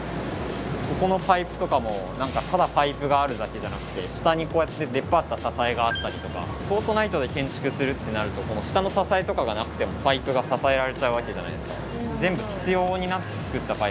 ここのパイプとかも何かただパイプがあるだけじゃなくて下にこうやって出っ張った支えがあったりとか「フォートナイト」で建築するってなるとこの下の支えとかがなくてもパイプが支えられちゃうわけじゃないですか。